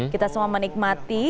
kita semua menikmati